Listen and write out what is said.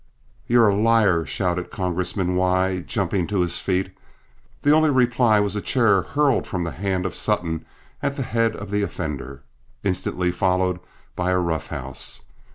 "You're a liar!" shouted Congressman Y , jumping to his feet. The only reply was a chair hurled from the hand of Sutton at the head of the offender, instantly followed by a rough house.